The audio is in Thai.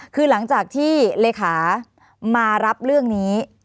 คือหลังจากที่เลขามารับเรื่องนี้